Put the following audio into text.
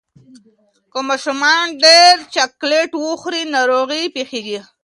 که ماشومان ډیر چاکلېټ وخوري، ناروغي پېښېږي.